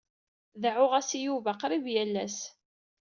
Deɛɛuɣ-as i Yuba qrib yal ass.